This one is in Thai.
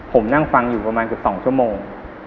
ผมนั่งฟังอยู่ประมาณเกือบ๒ชั่วโมง